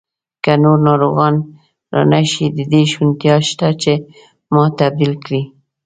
که نور ناروغان را نه شي، د دې شونتیا شته چې ما تبدیل کړي.